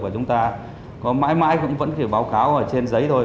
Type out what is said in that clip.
và chúng ta có mãi mãi vẫn chỉ báo cáo trên giấy thôi